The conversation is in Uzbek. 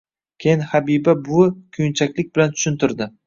Keyin Habiba buvi kuyunchaklik bilan tushuntirdi.